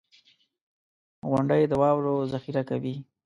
• غونډۍ د واورو ذخېره کوي.